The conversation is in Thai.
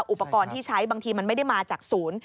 อุปกรณ์ที่ใช้บางทีมันไม่ได้มาจากศูนย์